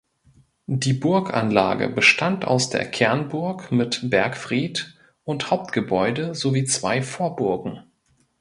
Die Burganlage bestand aus der Kernburg mit Bergfried und Hauptgebäude sowie zwei Vorburgen.